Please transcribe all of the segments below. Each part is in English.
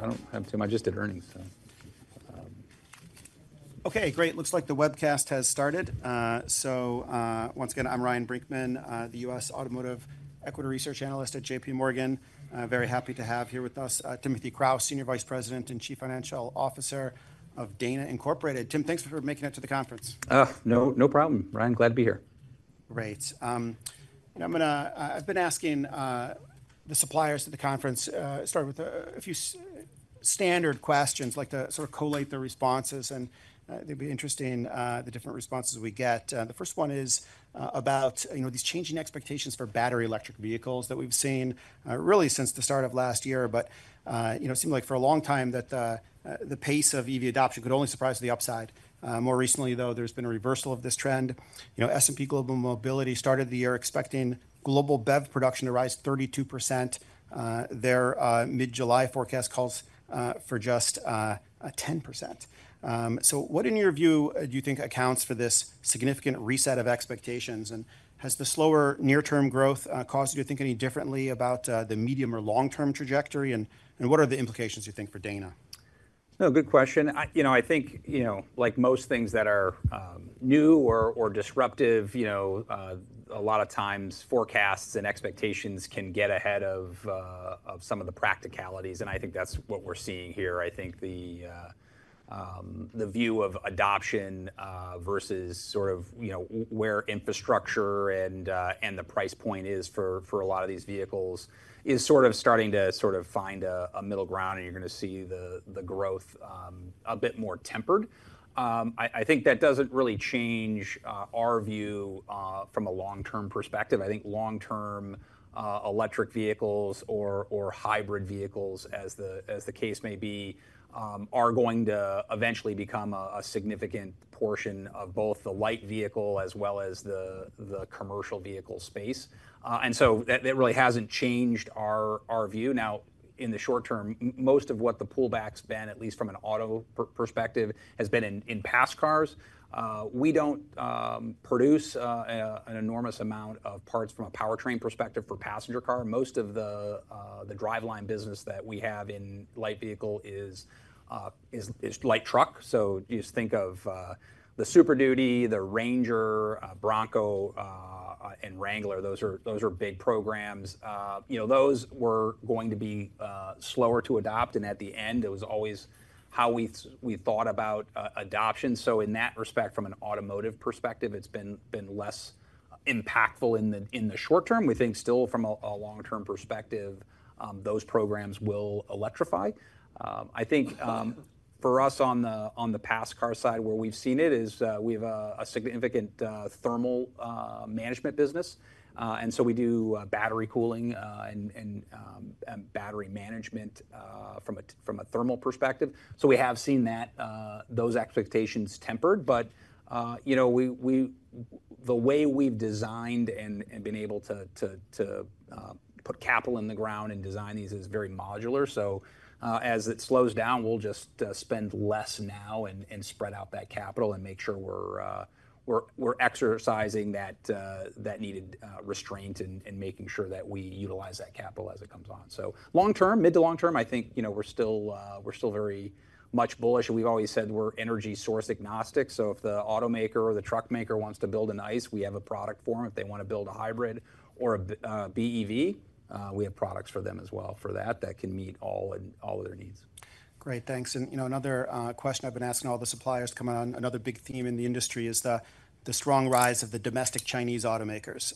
I don't, I don't have too much. I just did earnings, so. Okay, great. Looks like the webcast has started. So, once again, I'm Ryan Brinkman, the US Automotive Equity Research Analyst at J.P. Morgan. I'm very happy to have here with us, Timothy Kraus, Senior Vice President and Chief Financial Officer of Dana Incorporated. Tim, thanks for, for making it to the conference. No, no problem, Ryan. Glad to be here. Great. You know, I'm gonna... I've been asking the suppliers to the conference start with a few standard questions, like to sort of collate their responses, and they'd be interesting the different responses we get. The first one is about, you know, these changing expectations for battery electric vehicles that we've seen really since the start of last year. But you know, it seemed like for a long time that the pace of EV adoption could only surprise the upside. More recently, though, there's been a reversal of this trend. You know, S&P Global Mobility started the year expecting global BEV production to rise 32%. Their mid-July forecast calls for just 10%. So what in your view, do you think accounts for this significant reset of expectations, and has the slower near-term growth caused you to think any differently about the medium or long-term trajectory? And what are the implications, you think, for Dana? No, good question. I, you know, I think, you know, like most things that are new or disruptive, you know, a lot of times forecasts and expectations can get ahead of some of the practicalities, and I think that's what we're seeing here. I think the view of adoption versus sort of, you know, where infrastructure and the price point is for a lot of these vehicles is sort of starting to sort of find a middle ground, and you're gonna see the growth a bit more tempered. I think that doesn't really change our view from a long-term perspective. I think long-term, electric vehicles or hybrid vehicles, as the case may be, are going to eventually become a significant portion of both the light vehicle as well as the commercial vehicle space. And so that really hasn't changed our view. Now, in the short term, most of what the pullback's been, at least from an auto perspective, has been in passenger cars. We don't produce an enormous amount of parts from a powertrain perspective for passenger car. Most of the driveline business that we have in light vehicle is light truck. So you just think of the Super Duty, the Ranger, Bronco, and Wrangler. Those are big programs. You know, those were going to be slower to adopt, and at the end, it was always how we thought about adoption. So in that respect, from an automotive perspective, it's been less impactful in the short term. We think still from a long-term perspective, those programs will electrify. I think, for us on the passenger car side, where we've seen it is, we have a significant thermal management business. And so we do battery cooling, and battery management from a thermal perspective. So we have seen that those expectations tempered. But you know, the way we've designed and been able to put capital in the ground and design these is very modular. So, as it slows down, we'll just spend less now and spread out that capital and make sure we're exercising that needed restraint and making sure that we utilize that capital as it comes on. So long term, mid to long term, I think, you know, we're still very much bullish, and we've always said we're energy source agnostic. So if the automaker or the truck maker wants to build an ICE, we have a product for them. If they want to build a hybrid or a BEV, we have products for them as well for that that can meet all of their needs. Great, thanks. And, you know, another question I've been asking all the suppliers coming on, another big theme in the industry is the strong rise of the domestic Chinese automakers.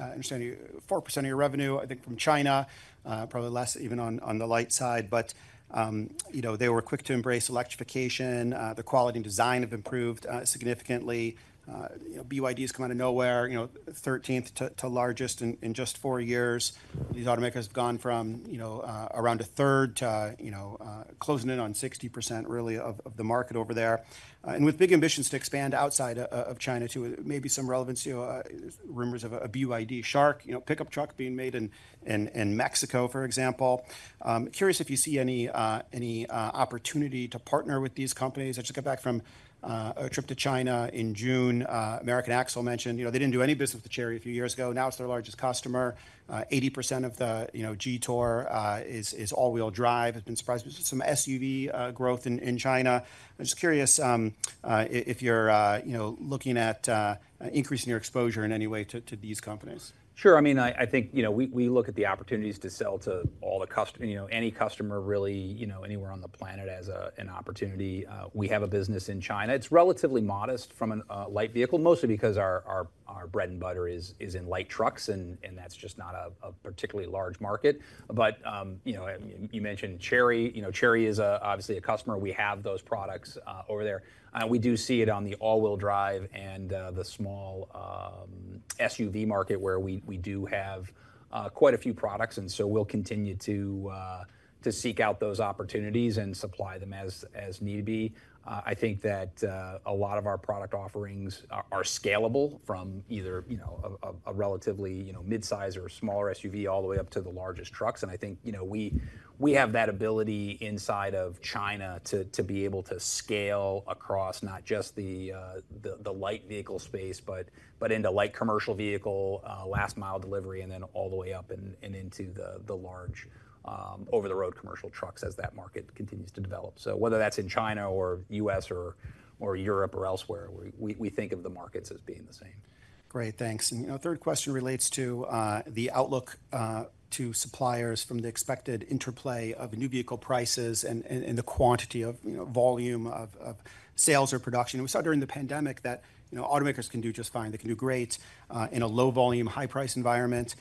I understand you 4% of your revenue, I think, from China, probably less even on the light side. But, you know, they were quick to embrace electrification, the quality and design have improved significantly. You know, BYD has come out of nowhere, you know, thirteenth to largest in just 4 years. These automakers have gone from, you know, around a third to, you know, closing in on 60%, really, of the market over there. And with big ambitions to expand outside of China, too. Maybe some relevance, you know, rumors of a BYD Shark, you know, pickup truck being made in Mexico, for example. I'm curious if you see any opportunity to partner with these companies. I just got back from a trip to China in June. American Axle mentioned, you know, they didn't do any business with Chery a few years ago. Now it's their largest customer. 80% of the, you know, Jetour, is all-wheel drive. I've been surprised with some SUV growth in China. I'm just curious if you're, you know, looking at increasing your exposure in any way to these companies. Sure. I mean, I think, you know, we look at the opportunities to sell to all the customer, you know, any customer really, you know, anywhere on the planet as an opportunity. We have a business in China. It's relatively modest from a light vehicle, mostly because our bread and butter is in light trucks, and that's just not a particularly large market. But, you know, and you mentioned Chery. You know, Chery is obviously a customer. We have those products over there, and we do see it on the all-wheel drive and the small SUV market, where we do have quite a few products, and so we'll continue to seek out those opportunities and supply them as need be. I think that a lot of our product offerings are scalable from either, you know, a relatively, you know, mid-size or smaller SUV, all the way up to the largest trucks. And I think, you know, we have that ability inside of China to be able to scale across not just the light vehicle space, but into light commercial vehicle, last mile delivery, and then all the way up and into the large over-the-road commercial trucks as that market continues to develop. So whether that's in China or US or Europe or elsewhere, we think of the markets as being the same.... Great, thanks. You know, third question relates to the outlook to suppliers from the expected interplay of new vehicle prices and the quantity of, you know, volume of sales or production. We saw during the pandemic that, you know, automakers can do just fine. They can do great in a low volume, high price environment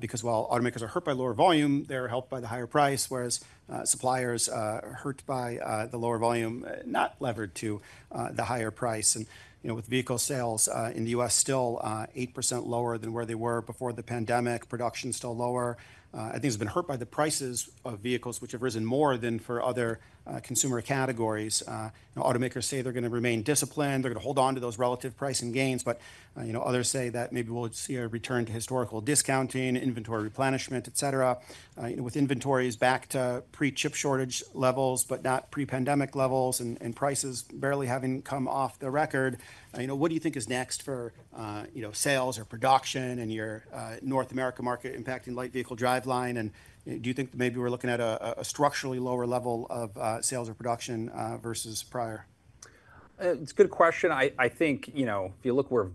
because while automakers are hurt by lower volume, they're helped by the higher price, whereas suppliers are hurt by the lower volume, not levered to the higher price. You know, with vehicle sales in the U.S. still 8% lower than where they were before the pandemic, production is still lower. I think it's been hurt by the prices of vehicles, which have risen more than for other consumer categories. You know, automakers say they're gonna remain disciplined, they're gonna hold on to those relative pricing gains. But, you know, others say that maybe we'll see a return to historical discounting, inventory replenishment, et cetera. You know, with inventories back to pre-chip shortage levels, but not pre-pandemic levels, and, and prices barely having come off the record, you know, what do you think is next for, you know, sales or production in your North America market impacting light vehicle driveline? And, do you think maybe we're looking at a structurally lower level of sales or production versus prior? It's a good question. I think, you know, if you look where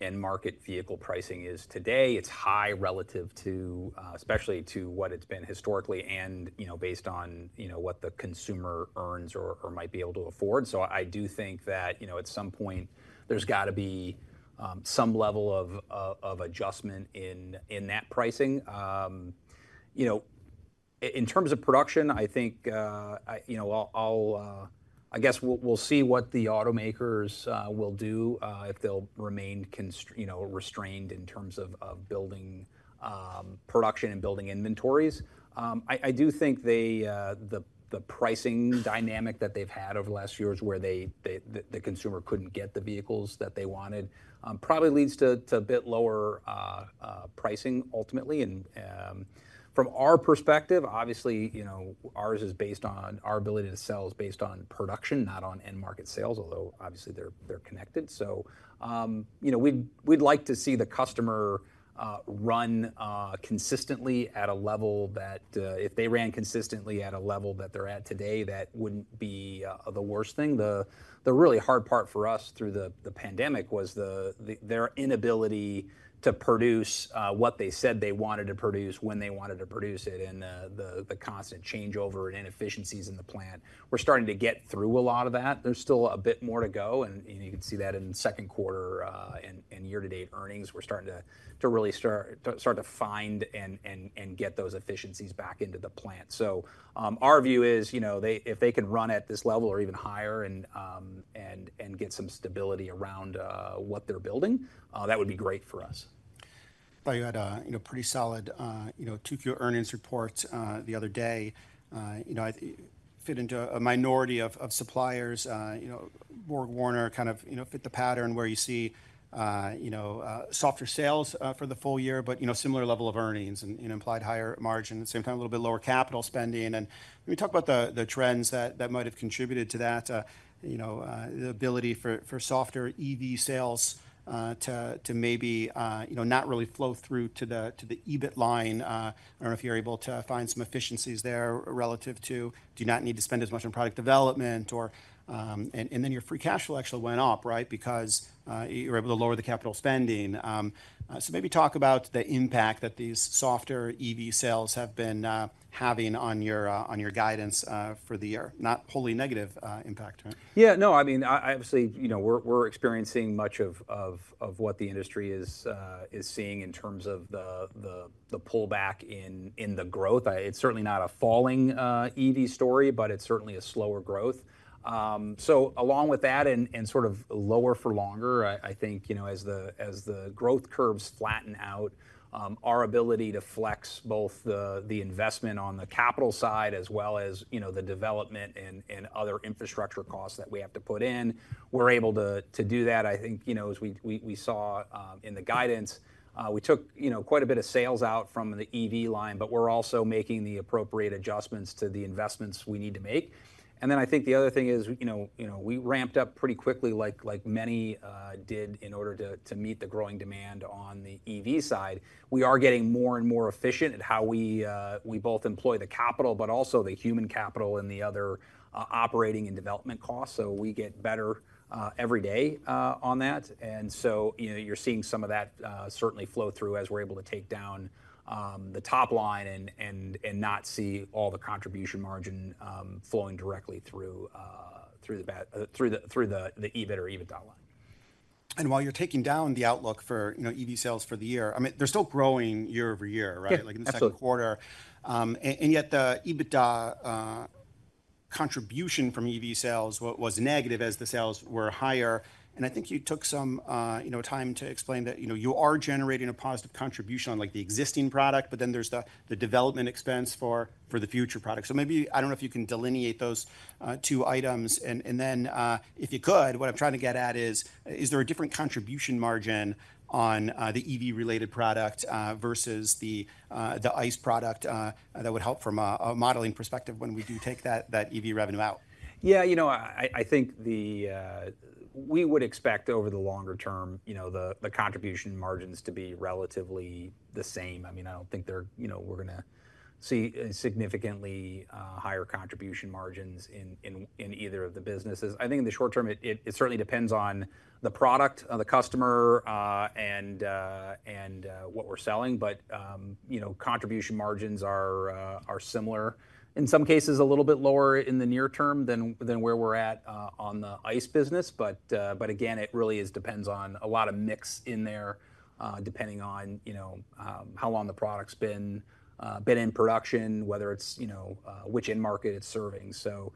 end market vehicle pricing is today, it's high relative to, especially to what it's been historically, and, you know, based on, you know, what the consumer earns or might be able to afford. So I do think that, you know, at some point, there's gotta be some level of adjustment in that pricing. You know, in terms of production, I think, you know, I'll guess we'll see what the automakers will do, if they'll remain restrained in terms of building production and building inventories. I do think the pricing dynamic that they've had over the last few years, where the consumer couldn't get the vehicles that they wanted, probably leads to a bit lower pricing ultimately. From our perspective, obviously, you know, ours is based on our ability to sell is based on production, not on end market sales, although obviously they're connected. So, you know, we'd like to see the customer run consistently at a level that if they ran consistently at a level that they're at today, that wouldn't be the worst thing. The really hard part for us through the pandemic was their inability to produce what they said they wanted to produce, when they wanted to produce it, and the constant changeover and inefficiencies in the plant. We're starting to get through a lot of that. There's still a bit more to go, and you can see that in Q2 and year-to-date earnings. We're starting to really start to find and get those efficiencies back into the plant. So, our view is, you know, if they can run at this level or even higher and get some stability around what they're building, that would be great for us. I thought you had a, you know, pretty solid, you know, two-quarter earnings reports, the other day. You know, fit into a minority of, of suppliers, you know, BorgWarner kind of, you know, fit the pattern, where you see, you know, softer sales, for the full year, but, you know, similar level of earnings and, and implied higher margins, same time, a little bit lower capital spending. And can you talk about the trends that might have contributed to that? You know, the ability for, for softer EV sales, to, to maybe, you know, not really flow through to the, to the EBIT line. I don't know if you're able to find some efficiencies there relative to, do you not need to spend as much on product development or, And then your free cash flow actually went up, right? Because you were able to lower the capital spending. So maybe talk about the impact that these softer EV sales have been having on your guidance for the year. Not wholly negative impact, right? Yeah, no, I mean, obviously, you know, we're experiencing much of what the industry is seeing in terms of the pullback in the growth. It's certainly not a falling EV story, but it's certainly a slower growth. So along with that and sort of lower for longer, I think, you know, as the growth curves flatten out, our ability to flex both the investment on the capital side, as well as, you know, the development and other infrastructure costs that we have to put in, we're able to do that. I think, you know, as we saw, in the guidance, we took, you know, quite a bit of sales out from the EV line, but we're also making the appropriate adjustments to the investments we need to make. And then I think the other thing is, you know, you know, we ramped up pretty quickly, like many did in order to meet the growing demand on the EV side. We are getting more and more efficient at how we both employ the capital, but also the human capital and the other operating and development costs, so we get better every day on that. So, you know, you're seeing some of that certainly flow through as we're able to take down the top line and not see all the contribution margin flowing directly through the EBIT or EBITDA line. While you're taking down the outlook for, you know, EV sales for the year, I mean, they're still growing year-over-year, right? Yeah, absolutely. Like in the Q2. And yet the EBITDA contribution from EV sales was negative as the sales were higher. And I think you took some, you know, time to explain that, you know, you are generating a positive contribution on, like, the existing product, but then there's the development expense for the future product. So maybe, I don't know if you can delineate those two items. And then, if you could, what I'm trying to get at is: Is there a different contribution margin on the EV-related product versus the ICE product that would help from a modeling perspective when we do take that EV revenue out? Yeah, you know, I think we would expect over the longer term, you know, the contribution margins to be relatively the same. I mean, I don't think they're, you know, we're gonna see significantly higher contribution margins in either of the businesses. I think in the short term, it certainly depends on the product, the customer, and what we're selling. But, you know, contribution margins are similar, in some cases, a little bit lower in the near term than where we're at on the ICE business. But again, it really depends on a lot of mix in there, depending on, you know, how long the product's been in production, whether it's, you know, which end market it's serving. So,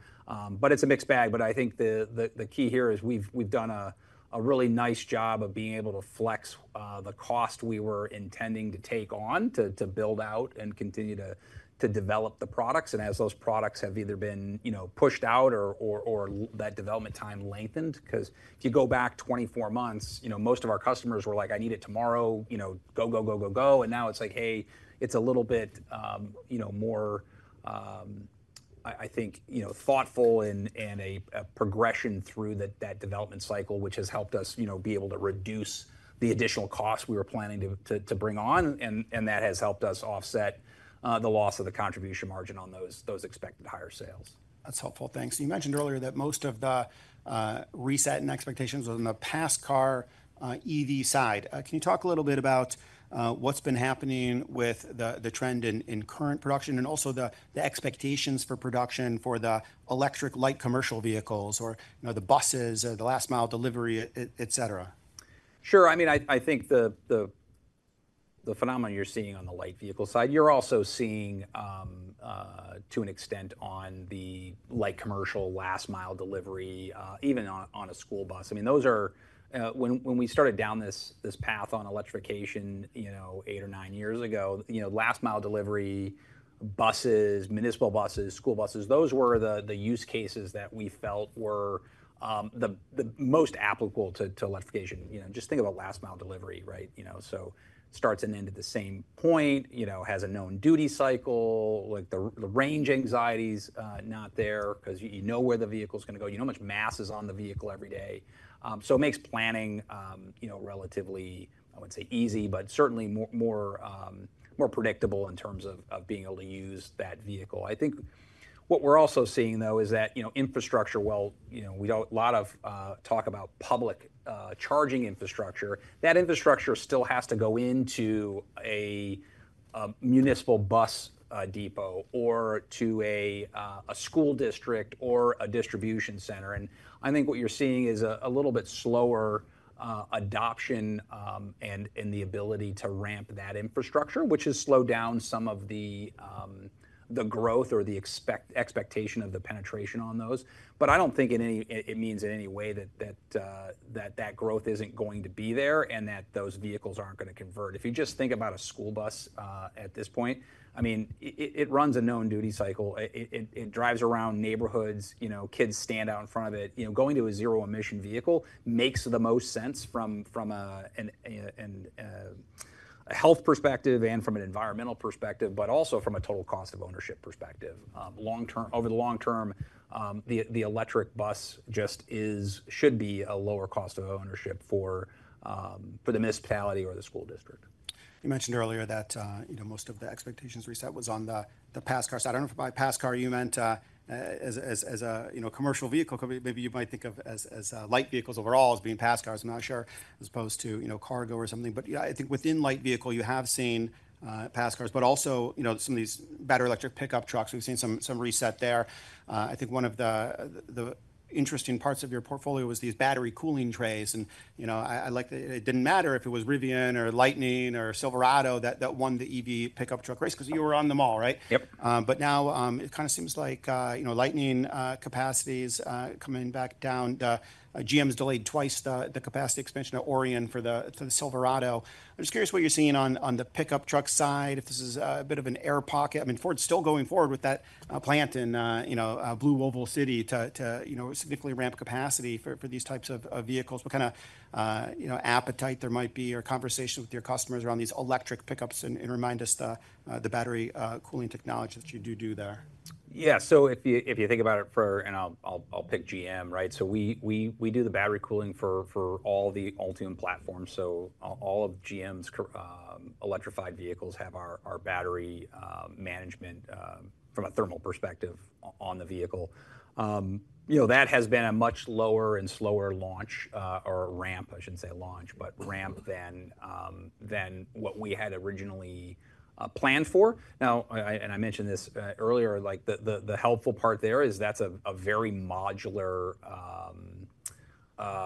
but it's a mixed bag. But I think the key here is we've done a really nice job of being able to flex the cost we were intending to take on to build out and continue to develop the products. And as those products have either been, you know, pushed out or that development time lengthened... 'Cause if you go back 24 months, you know, most of our customers were like: "I need it tomorrow, you know, go, go, go, go, go." And now it's like, hey, it's a little bit, you know, more, I think, you know, thoughtful and a progression through that development cycle, which has helped us, you know, be able to reduce the additional costs we were planning to bring on, and that has helped us offset the loss of the contribution margin on those expected higher sales. That's helpful. Thanks. You mentioned earlier that most of the reset in expectations was on the passenger car EV side. Can you talk a little bit about what's been happening with the trend in current production, and also the expectations for production for the electric light commercial vehicles, or, you know, the buses or the last-mile delivery, et cetera? Sure. I mean, I think the phenomena you're seeing on the light vehicle side, you're also seeing to an extent on the light commercial, last-mile delivery, even on a school bus. I mean, those are... When we started down this path on electrification, you know, eight or nine years ago, you know, last-mile delivery, buses, municipal buses, school buses, those were the use cases that we felt were the most applicable to electrification. You know, just think about last-mile delivery, right? You know, so starts and end at the same point, you know, has a known duty cycle, like, the range anxiety's not there 'cause you know where the vehicle's gonna go. You know how much mass is on the vehicle every day. So it makes planning, you know, relatively, I wouldn't say easy, but certainly more predictable in terms of being able to use that vehicle. I think what we're also seeing, though, is that, you know, infrastructure, while you know a lot of talk about public charging infrastructure, that infrastructure still has to go into a municipal bus depot or to a school district or a distribution center. And I think what you're seeing is a little bit slower adoption and the ability to ramp that infrastructure, which has slowed down some of the growth or the expectation of the penetration on those. But I don't think in any... It means in any way that that growth isn't going to be there and that those vehicles aren't gonna convert. If you just think about a school bus, at this point, I mean, it runs a known duty cycle. It drives around neighborhoods. You know, kids stand out in front of it. You know, going to a zero-emission vehicle makes the most sense from a health perspective and from an environmental perspective, but also from a total cost of ownership perspective. Over the long term, the electric bus just should be a lower cost of ownership for the municipality or the school district. You mentioned earlier that, you know, most of the expectations reset was on the passenger car side. I don't know if by passenger car, you meant, you know, commercial vehicle. Maybe you might think of as light vehicles overall as being passenger cars, I'm not sure, as opposed to, you know, cargo or something. But, yeah, I think within light vehicle, you have seen passenger cars, but also, you know, some of these battery electric pickup trucks, we've seen some reset there. I think one of the interesting parts of your portfolio was these battery cooling trays. And, you know, I like it didn't matter if it was Rivian or Lightning or Silverado that won the EV pickup truck race- Yep. 'cause you were on them all, right? Yep. But now, it kind of seems like, you know, Lightning capacity is coming back down. GM's delayed twice the capacity expansion of Orion for the Silverado. I'm just curious what you're seeing on the pickup truck side, if this is a bit of an air pocket. I mean, Ford's still going forward with that plant in, you know, Blue Oval City to, you know, significantly ramp capacity for these types of vehicles. What kind of, you know, appetite there might be or conversation with your customers around these electric pickups, and remind us the battery cooling technology that you do do there? Yeah. So if you think about it for... And I'll pick GM, right? So we do the battery cooling for all the Ultium platforms. So all of GM's electrified vehicles have our battery management from a thermal perspective on the vehicle. You know, that has been a much lower and slower launch, or ramp, I should say, launch, but ramp than what we had originally planned for. Now, and I mentioned this earlier, like the helpful part there is that's a very modular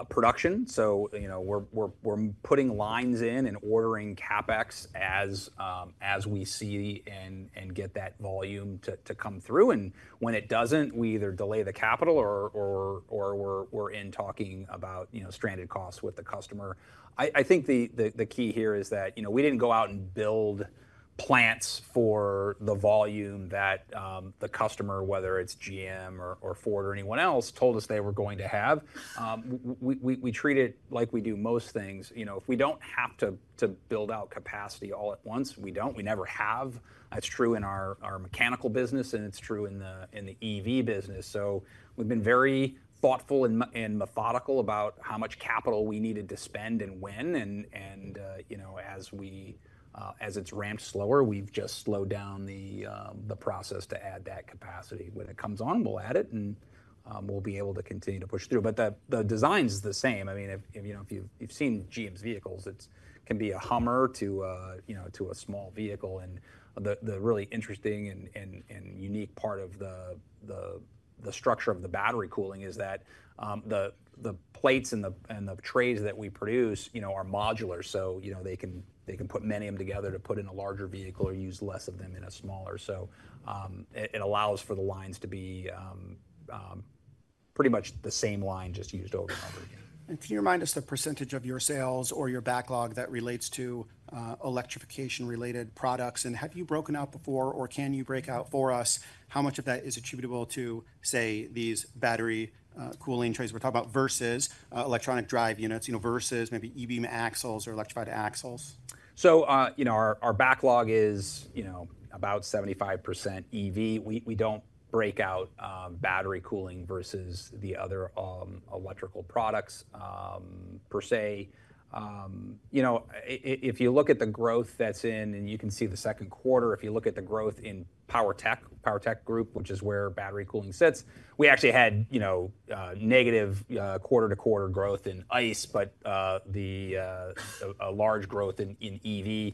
production. So, you know, we're putting lines in and ordering CapEx as we see and get that volume to come through, and when it doesn't, we either delay the capital or we're talking about, you know, stranded costs with the customer. I think the key here is that, you know, we didn't go out and build plants for the volume that the customer, whether it's GM or Ford or anyone else, told us they were going to have. We treat it like we do most things. You know, if we don't have to build out capacity all at once, we don't. We never have. That's true in our mechanical business, and it's true in the EV business. So we've been very thoughtful and methodical about how much capital we needed to spend and when, and, you know, as we, as it's ramped slower, we've just slowed down the process to add that capacity. When it comes on, we'll add it, and, we'll be able to continue to push through. But the design's the same. I mean, if, you know, if you've seen GM's vehicles, it can be a Hummer to a, you know, to a small vehicle. The really interesting and unique part of the structure of the battery cooling is that the plates and the trays that we produce, you know, are modular, so you know, they can put many of them together to put in a larger vehicle or use less of them in a smaller. So it allows for the lines to be pretty much the same line, just used over and over again. Can you remind us the percentage of your sales or your backlog that relates to electrification-related products? Have you broken out before, or can you break out for us, how much of that is attributable to, say, these battery cooling trends? We're talking about versus electronic drive units, you know, versus maybe EV Axles or e-Axles. So, you know, our backlog is, you know, about 75% EV. We don't break out battery cooling versus the other electrical products per se. You know, if you look at the growth that's in, and you can see the Q2, if you look at the growth in Power Tech- Power Tech group, which is where battery cooling sits, we actually had, you know, negative quarter-to-quarter growth in ICE, but a large growth in EV.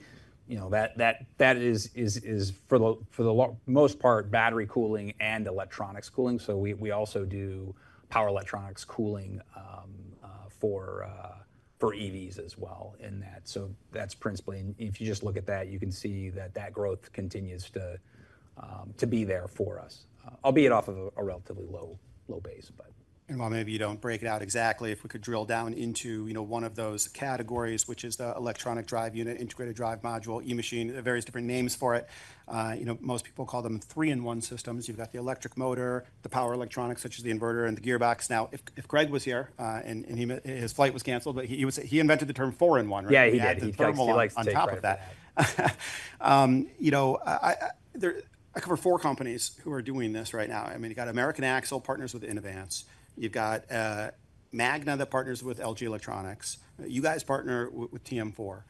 You know, that is for the most part, battery cooling and electronics cooling. So we also do power electronics cooling for EVs as well in that. So that's principally... If you just look at that, you can see that that growth continues to be there for us, albeit off of a relatively low base, but. And while maybe you don't break it out exactly, if we could drill down into, you know, one of those categories, which is the electronic drive unit, integrated drive module, e-machine, various different names for it. You know, most people call them three-in-one systems. You've got the electric motor, the power electronics, such as the inverter and the gearbox. Now, if Craig was here, and his flight was canceled, but he was—he invented the term four-in-one, right? Yeah, he did. He threw one more on top of that. You know, I cover four companies who are doing this right now. I mean, you got American Axle, partners with Inovance. You've got Magna, that partners with LG Electronics. You guys partner with TM4.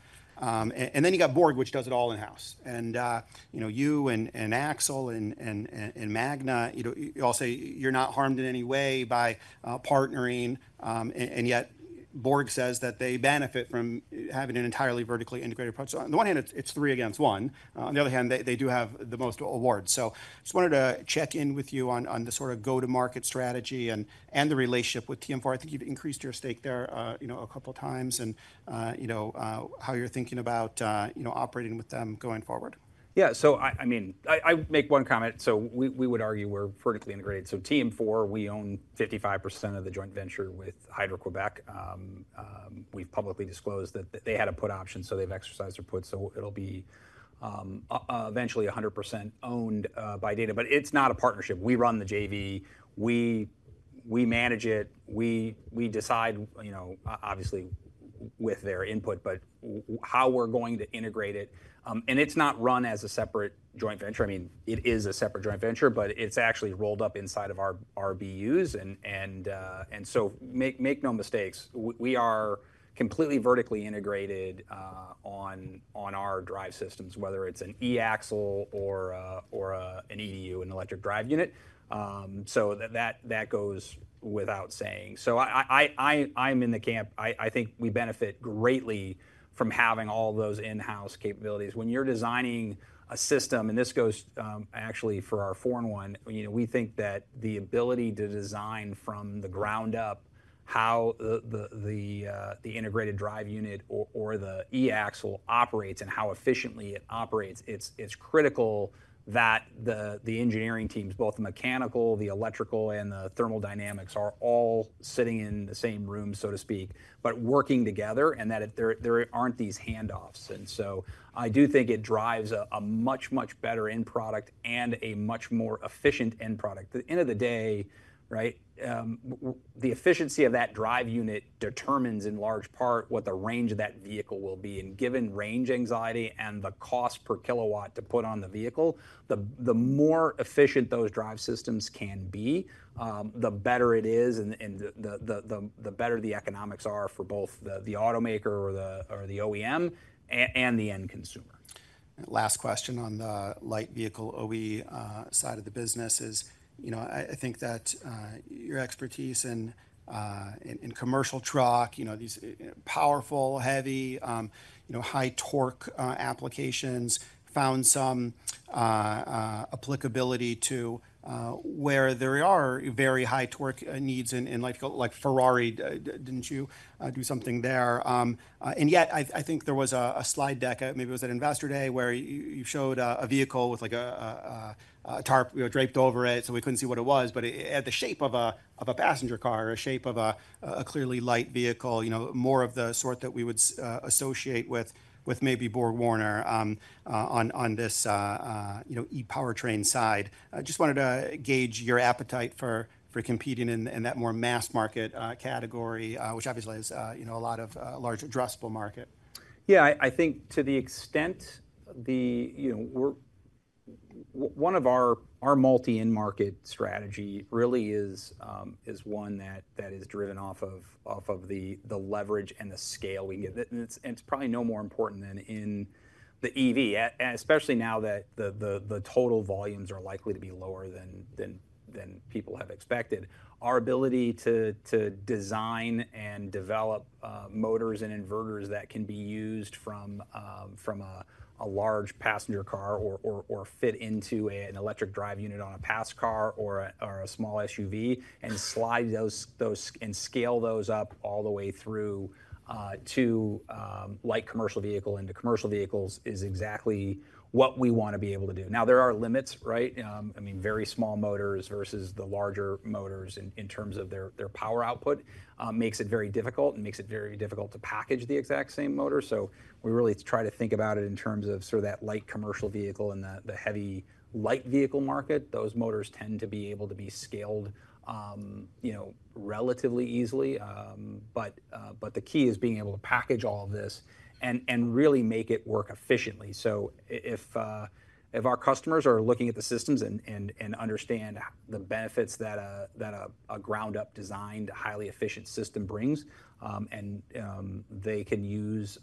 And then you got BorgWarner, which does it all in-house. And you know, you and Axle and Magna, you know, you all say you're not harmed in any way by partnering. And yet, BorgWarner says that they benefit from having an entirely vertically integrated approach. So on the one hand, it's three against one. On the other hand, they do have the most awards. So just wanted to check in with you on the sort of go-to-market strategy and the relationship with TM4. I think you've increased your stake there, you know, a couple times and, you know, how you're thinking about, you know, operating with them going forward. Yeah, so I mean, I make one comment: so we would argue we're vertically integrated. So TM4, we own 55% of the joint venture with Hydro-Québec. We've publicly disclosed that they had a put option, so they've exercised their put, so it'll be eventually 100% owned by Dana. But it's not a partnership. We run the JV, we manage it, we decide, you know, obviously with their input, but how we're going to integrate it. And it's not run as a separate joint venture. I mean, it is a separate joint venture, but it's actually rolled up inside of our BUs. So make no mistakes, we are completely vertically integrated on our drive systems, whether it's an e-Axle or an EDU, an electric drive unit. So that goes without saying. So I think we benefit greatly from having all those in-house capabilities. When you're designing a system, and this goes actually for our four-in-one, you know, we think that the ability to design from the ground up how the integrated drive unit or the e-Axle operates and how efficiently it operates, it's critical that the engineering teams, both the mechanical, the electrical, and the thermodynamics, are all sitting in the same room, so to speak, but working together, and that there aren't these handoffs. So I do think it drives a much, much better end product and a much more efficient end product. At the end of the day, right, the efficiency of that drive unit determines, in large part, what the range of that vehicle will be. Given range anxiety and the cost per kilowatt to put on the vehicle, the more efficient those drive systems can be, the better it is and the better the economics are for both the automaker or the OEM and the end consumer. Last question on the light vehicle OE side of the business is, you know, I think that your expertise in commercial truck, you know, these powerful, heavy, you know, high torque applications found some applicability to where there are very high torque needs in like Ferrari. Didn't you do something there? And yet, I think there was a slide deck, maybe it was at Investor Day, where you showed a vehicle with, like, a tarp, you know, draped over it, so we couldn't see what it was, but it had the shape of a passenger car or shape of a clearly light vehicle, you know, more of the sort that we would associate with maybe BorgWarner, on this, you know, e-powertrain side. I just wanted to gauge your appetite for competing in that more mass market category, which obviously has, you know, a lot of large addressable market. Yeah, I think to the extent the... You know, we're one of our multi-end market strategy really is one that is driven off of the leverage and the scale we get. And it's probably no more important than in the EV, especially now that the total volumes are likely to be lower than people have expected. Our ability to design and develop motors and inverters that can be used from a large passenger car or fit into an electric drive unit on a passenger car or a small SUV, and slide those and scale those up all the way through to light commercial vehicle into commercial vehicles, is exactly what we want to be able to do. Now, there are limits, right? I mean, very small motors versus the larger motors in terms of their power output makes it very difficult to package the exact same motor. So we really try to think about it in terms of sort of that light commercial vehicle and the heavy light vehicle market. Those motors tend to be able to be scaled, you know, relatively easily. But the key is being able to package all of this and really make it work efficiently. So if our customers are looking at the systems and understand the benefits that a ground-up designed, highly efficient system brings, and they can use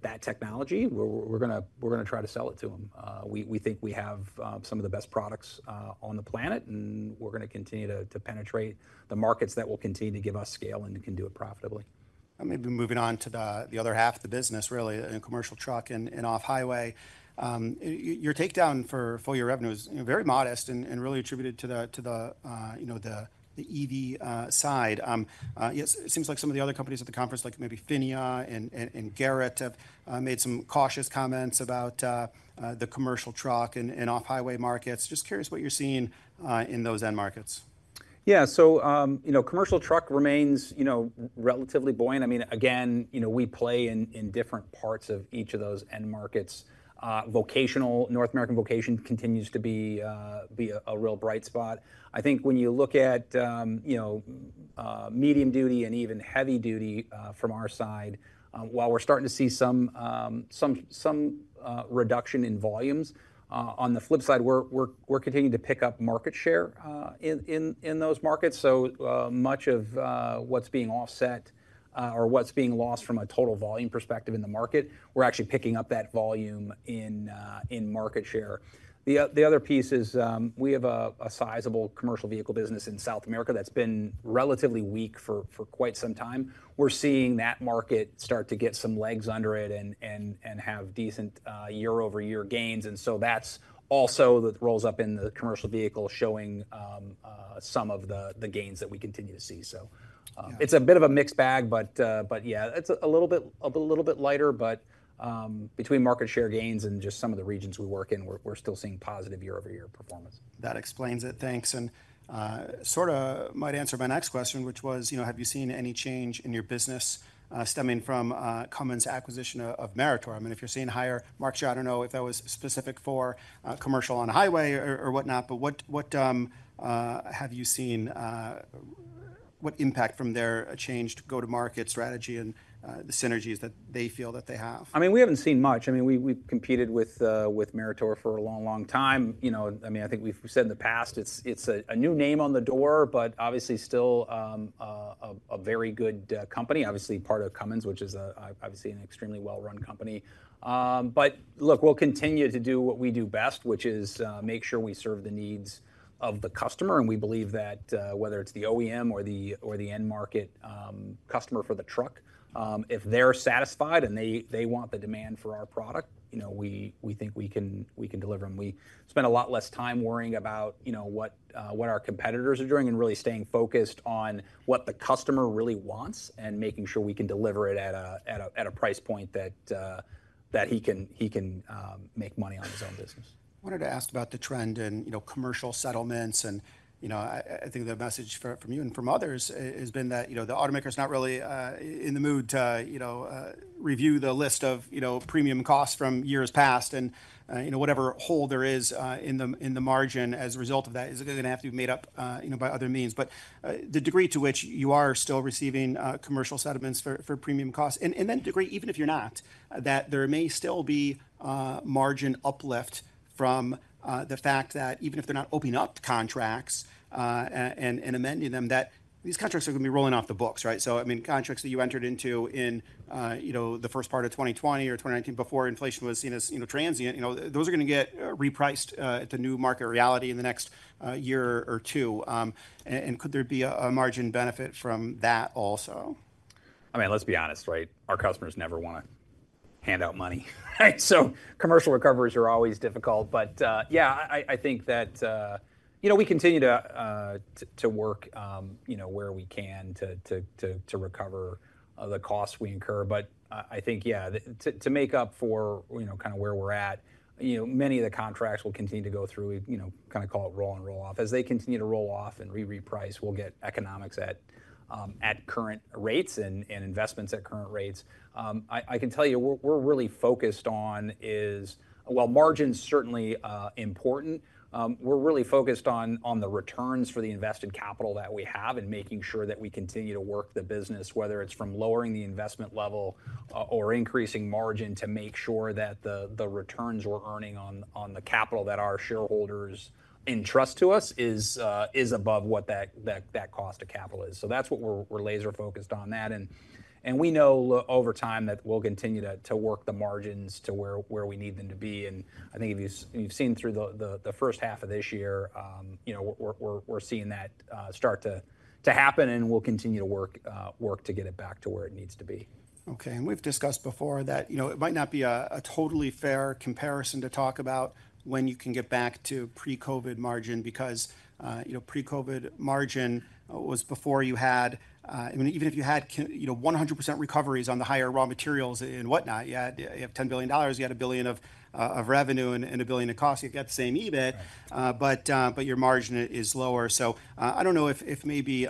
that technology, we're gonna try to sell it to them. We think we have some of the best products on the planet, and we're gonna continue to penetrate the markets that will continue to give us scale and can do it profitably. I may be moving on to the other half of the business, really, in commercial truck and off-highway. Your takedown for full year revenue is, you know, very modest and really attributed to the, you know, the EV side. It seems like some of the other companies at the conference, like maybe PHINIA and Garrett, have made some cautious comments about the commercial truck and off-highway markets. Just curious what you're seeing in those end markets. Yeah. So, you know, commercial truck remains, you know, relatively buoyant. I mean, again, you know, we play in different parts of each of those end markets. Vocational—North American vocational continues to be a real bright spot. I think when you look at, you know, medium duty and even heavy duty, from our side, while we're starting to see some reduction in volumes, on the flip side, we're continuing to pick up market share in those markets. So, much of what's being offset or what's being lost from a total volume perspective in the market, we're actually picking up that volume in market share. The other piece is, we have a sizable commercial vehicle business in South America that's been relatively weak for quite some time. We're seeing that market start to get some legs under it and have decent year-over-year gains, and so that's also that rolls up in the commercial vehicle, showing some of the gains that we continue to see. So- Yeah. It's a bit of a mixed bag, but, but yeah, it's a little bit, a little bit lighter, but, between market share gains and just some of the regions we work in, we're, we're still seeing positive year-over-year performance. That explains it. Thanks. And, sorta might answer my next question, which was, you know, have you seen any change in your business stemming from Cummins' acquisition of Meritor? I mean, if you're seeing higher market share, I don't know if that was specific for commercial on a highway or whatnot, but what, what have you seen, what impact from their change to go-to-market strategy and the synergies that they feel that they have? I mean, we haven't seen much. I mean, we've competed with Meritor for a long, long time. You know, I mean, I think we've said in the past it's a new name on the door, but obviously still a very good company. Obviously, part of Cummins, which is obviously an extremely well-run company. But look, we'll continue to do what we do best, which is make sure we serve the needs of the customer, and we believe that whether it's the OEM or the end market customer for the truck, if they're satisfied and they want the demand for our product, you know, we think we can deliver. We spend a lot less time worrying about, you know, what our competitors are doing, and really staying focused on what the customer really wants and making sure we can deliver it at a price point that he can make money on his own business. I wanted to ask about the trend in, you know, commercial settlements and, you know, I think the message from you and from others has been that, you know, the automaker's not really in the mood to, you know, review the list of, you know, premium costs from years past. And, you know, whatever hole there is in the margin as a result of that is gonna have to be made up, you know, by other means. But the degree to which you are still receiving commercial settlements for premium costs, and the degree, even if you're not, that there may still be margin uplift from the fact that even if they're not opening up contracts, and amending them, that these contracts are gonna be rolling off the books, right? So, I mean, contracts that you entered into in, you know, the first part of 2020 or 2019, before inflation was seen as, you know, transient, you know, those are gonna get repriced at the new market reality in the next year or two. And could there be a margin benefit from that also? I mean, let's be honest, right? Our customers never wanna hand out money. So commercial recoveries are always difficult, but, yeah, I think that, you know, we continue to work, you know, where we can to recover the costs we incur. But I think, yeah, to make up for, you know, kinda where we're at, you know, many of the contracts will continue to go through, you know, kinda call it roll and roll off. As they continue to roll off and reprice, we'll get economics at current rates and investments at current rates. I can tell you, we're really focused on is... While margin's certainly important, we're really focused on the returns for the invested capital that we have, and making sure that we continue to work the business, whether it's from lowering the investment level, or increasing margin to make sure that the returns we're earning on the capital that our shareholders entrust to us is above what that cost of capital is. So that's what we're laser-focused on that. And we know over time, that we'll continue to work the margins to where we need them to be, and I think if you've seen through the first half of this year, you know, we're seeing that start to happen, and we'll continue to work to get it back to where it needs to be. Okay, and we've discussed before that, you know, it might not be a totally fair comparison to talk about when you can get back to pre-COVID margin because, you know, pre-COVID margin was before you had... I mean, even if you had you know, 100% recoveries on the higher raw materials and whatnot, you had, you have $10 billion, you had a billion of of revenue and, and a billion in cost, you've got the same EBIT- Right... but, but your margin is lower. So, I don't know if, if maybe,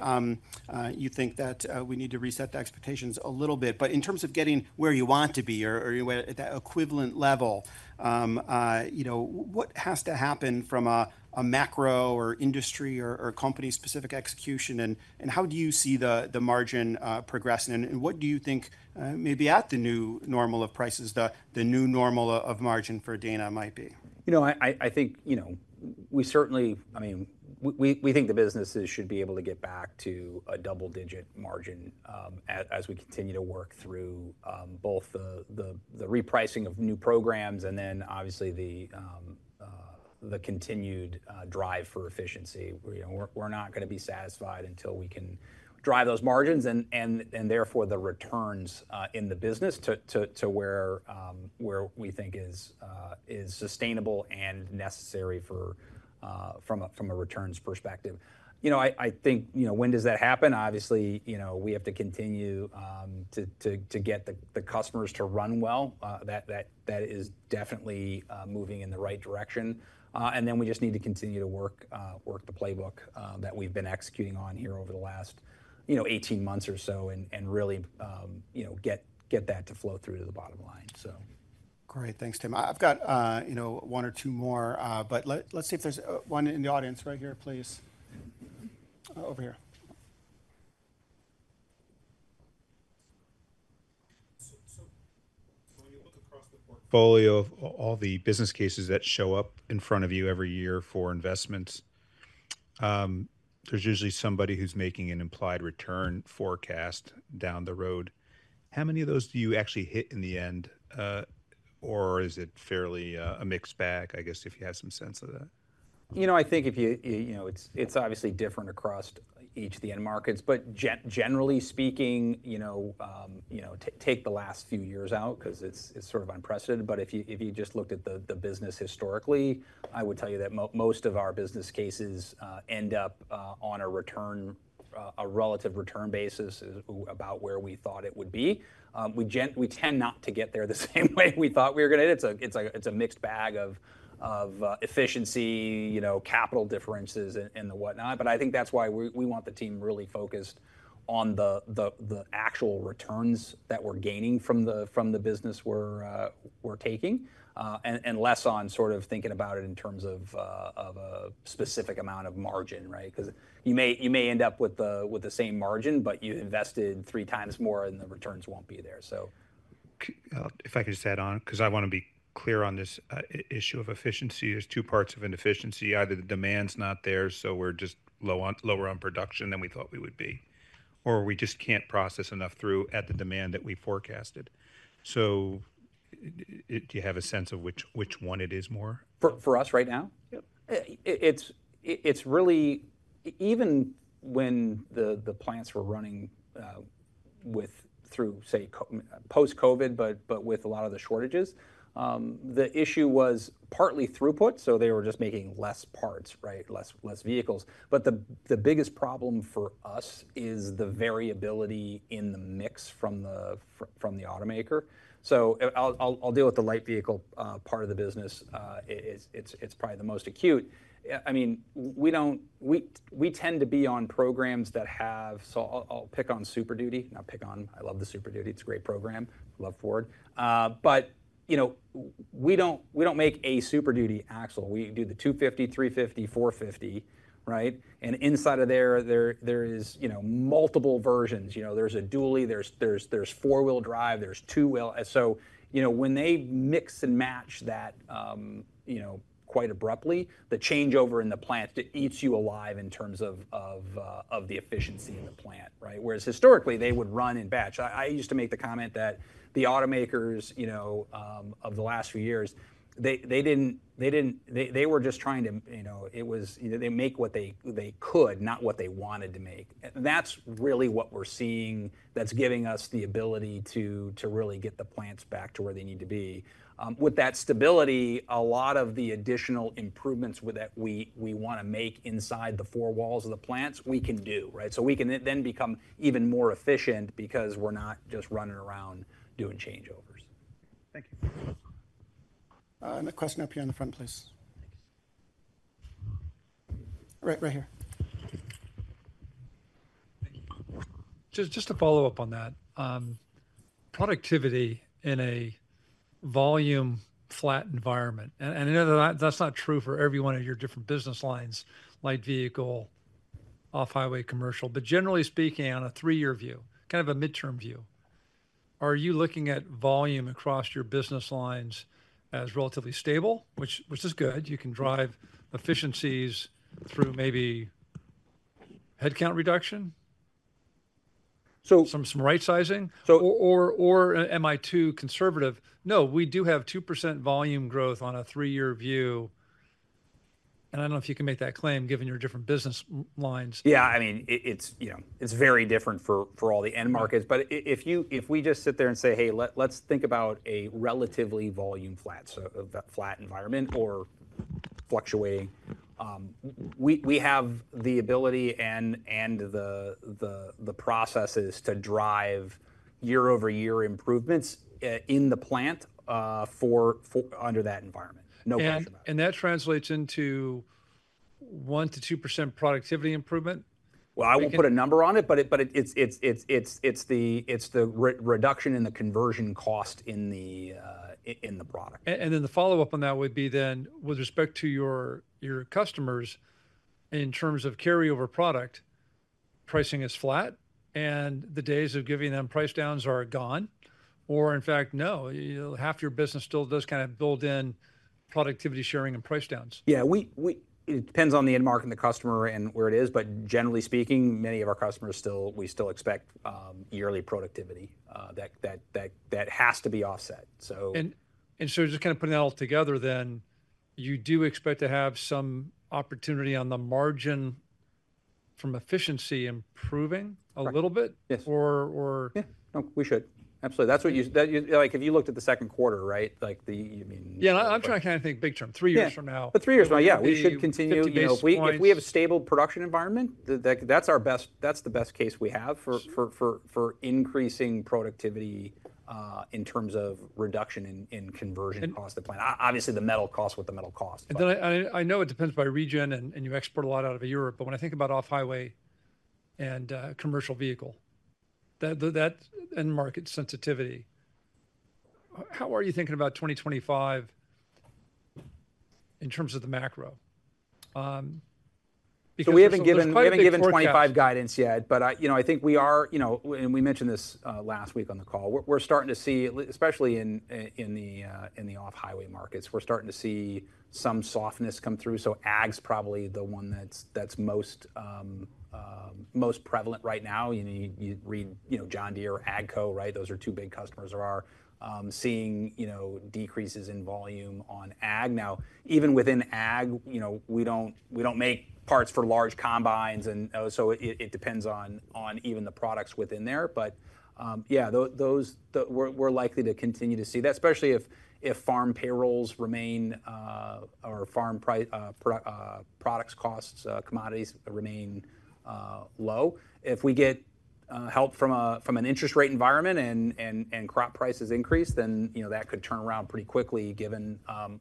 you think that we need to reset the expectations a little bit. But in terms of getting where you want to be or, or where at that equivalent level, you know, what has to happen from a, a macro or industry or, or company-specific execution? And, and how do you see the, the margin progressing, and, and what do you think, maybe at the new normal of prices, the, the new normal of margin for Dana might be? You know, I think, you know, we certainly... I mean, we think the businesses should be able to get back to a double-digit margin, as we continue to work through both the repricing of new programs and then obviously the continued drive for efficiency. You know, we're not gonna be satisfied until we can drive those margins and therefore the returns in the business to where we think is sustainable and necessary for from a returns perspective. You know, I think, you know, when does that happen? Obviously, you know, we have to continue to get the customers to run well. That is definitely moving in the right direction. And then we just need to continue to work the playbook that we've been executing on here over the last 18 months or so, and really you know get that to flow through to the bottom line, so. Great. Thanks, Tim. I've got, you know, one or two more, but let's see if there's one in the audience right here, please. Over here. So when you look across the portfolio of all the business cases that show up in front of you every year for investments, there's usually somebody who's making an implied return forecast down the road. How many of those do you actually hit in the end, or is it fairly a mixed bag? I guess, if you have some sense of that. You know, I think if you, you know, it's, it's obviously different across each of the end markets. But generally speaking, you know, you know, take the last few years out 'cause it's, it's sort of unprecedented, but if you, if you just looked at the, the business historically, I would tell you that most of our business cases end up, on a return, a relative return basis, about where we thought it would be. We tend not to get there the same way we thought we were gonna... It's a mixed bag of efficiency, you know, capital differences and the whatnot, but I think that's why we want the team really focused on the actual returns that we're gaining from the business we're taking, and less on sort of thinking about it in terms of a specific amount of margin, right? 'Cause you may end up with the same margin, but you invested three times more, and the returns won't be there, so. If I could just add on, 'cause I wanna be clear on this, issue of efficiency. There's two parts of inefficiency. Either the demand's not there, so we're just low on, lower on production than we thought we would be, or we just can't process enough through at the demand that we forecasted. So do you have a sense of which, which one it is more? For us right now? Yep. It's really... Even when the plants were running, with, through, say, post-COVID, but with a lot of the shortages, the issue was partly throughput, so they were just making less parts, right? Less vehicles. But the biggest problem for us is the variability in the mix from the from the automaker. So I'll deal with the light vehicle part of the business. It's probably the most acute. I mean, we don't-- we tend to be on programs that have... So I'll pick on Super Duty. Not pick on, I love the Super Duty. It's a great program. Love Ford. But, you know, we don't, we don't make a Super Duty axle. We do the 250, 350, 450, right? And inside of there, there is, you know, multiple versions. You know, there's a dually, there's four-wheel drive, there's two-wheel. And so, you know, when they mix and match that, quite abruptly, the changeover in the plant, it eats you alive in terms of the efficiency in the plant, right? Whereas historically, they would run in batch. I used to make the comment that the automakers, you know, of the last few years, they didn't, they were just trying to, you know. It was either they make what they could, not what they wanted to make. And that's really what we're seeing that's giving us the ability to really get the plants back to where they need to be. With that stability, a lot of the additional improvements with that, we wanna make inside the four walls of the plants, we can do, right? So we can then become even more efficient because we're not just running around doing changeovers.... Thank you. A question up here in the front, please. Thanks. Right, right here. Thank you. Just to follow up on that, productivity in a volume-flat environment, and I know that that's not true for every one of your different business lines, light vehicle, off-highway commercial, but generally speaking, on a three-year view, kind of a midterm view, are you looking at volume across your business lines as relatively stable? Which is good, you can drive efficiencies through maybe headcount reduction. So- some right sizing? So- Am I too conservative? "No, we do have 2% volume growth on a three-year view," and I don't know if you can make that claim, given your different business lines. Yeah, I mean, it's, you know, it's very different for all the end markets. Mm. But if you, if we just sit there and say, "Hey, let's think about a relatively volume flat, so a flat environment or fluctuating," we have the ability and the processes to drive year-over-year improvements in the plant for under that environment, no question about it. And that translates into 1%-2% productivity improvement? Well, I wouldn't put a number on it, but it's the reduction in the conversion cost in the product. and then the follow-up on that would be then, with respect to your, your customers, in terms of carry-over product, pricing is flat, and the days of giving them price downs are gone? Or in fact, no, you know, half your business still does kind of build in productivity sharing and price downs. Yeah, it depends on the end market and the customer and where it is, but generally speaking, many of our customers still, we still expect yearly productivity that has to be offset, so- So, just kind of putting it all together then, you do expect to have some opportunity on the margin from efficiency improving a little bit? Yes. Or, or- Yeah. No, we should. Absolutely. That's what you... That, you, like, if you looked at the Q2, right, like, the, you mean- Yeah, I, I'm trying to kind of think big term, three years from now. Yeah, but three years from now, yeah, we should continue- 50 basis points. You know, if we have a stable production environment, that, that's our best, that's the best case we have for increasing productivity in terms of reduction in conversion cost to plan. Obviously, the metal cost what the metal costs, but- And then I know it depends by region, and you export a lot out of Europe, but when I think about off-highway and commercial vehicle, that end market sensitivity, how are you thinking about 2025 in terms of the macro? Because- So we haven't given- There's quite a big forecast.... we haven't given 2025 guidance yet, but I, you know, I think we are, you know, and we mentioned this last week on the call, we're starting to see, especially in the off-highway markets, we're starting to see some softness come through. So ag's probably the one that's most prevalent right now. You read, you know, John Deere or AGCO, right? Those are two big customers of ours, seeing decreases in volume on ag. Now, even within ag, you know, we don't make parts for large combines, and so it depends on even the products within there. But yeah, those, the... We're likely to continue to see that, especially if farm payrolls remain or farm product costs, commodities remain low. If we get help from an interest rate environment and crop prices increase, then, you know, that could turn around pretty quickly, given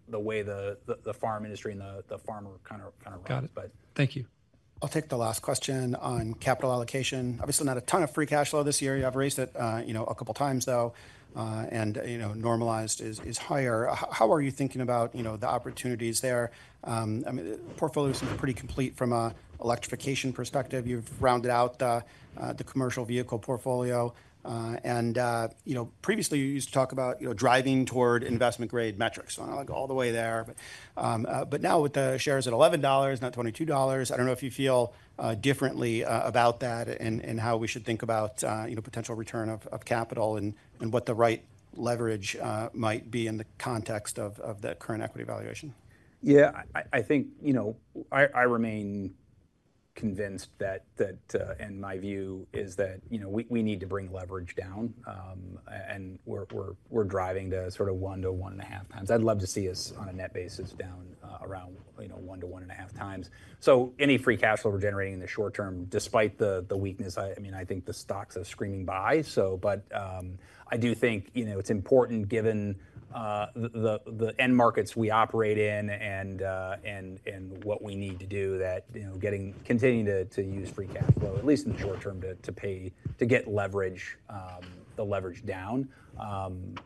the way the farm industry and the farmer kind of runs. Got it. But- Thank you. I'll take the last question on capital allocation. Obviously, not a ton of free cash flow this year. You have raised it, you know, a couple of times, though, and, you know, normalized is, is higher. How are you thinking about, you know, the opportunities there? I mean, the portfolio seems pretty complete from an electrification perspective. You've rounded out the, the commercial vehicle portfolio. And, you know, previously, you used to talk about, you know, driving toward investment-grade metrics. I don't know, like, all the way there, but, but now with the shares at $11, not $22, I don't know if you feel, differently, about that and, and how we should think about, you know, potential return of, of capital and, and what the right leverage, might be in the context of, of the current equity valuation. Yeah, I think, you know, I remain convinced that. My view is that, you know, we need to bring leverage down. And we're driving to sort of 1-1.5 times. I'd love to see us, on a net basis, down around, you know, 1-1.5 times. So any free cash flow we're generating in the short term, despite the weakness, I mean, I think the stocks are screaming buy, so... But, I do think, you know, it's important, given, the end markets we operate in and what we need to do, that, you know, getting, continuing to use free cash flow, at least in the short term, to pay to get leverage, the leverage down,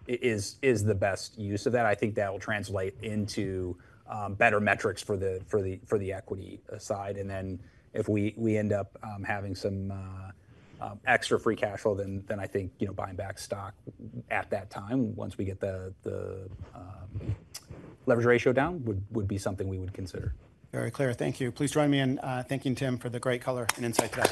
is the best use of that. I think that will translate into better metrics for the equity side. And then, if we end up having some extra free cash flow, then I think, you know, buying back stock at that time, once we get the leverage ratio down, would be something we would consider. Very clear. Thank you. Please join me in thanking Tim for the great color and insight today.